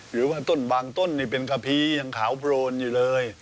หรือว่าต้นบางต้นนี่เป็นกะพียังขาวโพลนอยู่เลย